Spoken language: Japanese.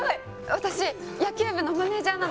私、野球部のマネージャーなの。